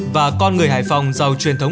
và con người hải phòng giàu truyền thống